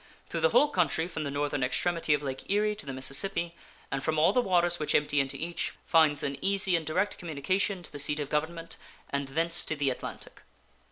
Through the whole country from the northern extremity of Lake Erie to the Mississippi, and from all the waters which empty into each, finds an easy and direct communication to the seat of Government, and thence to the Atlantic.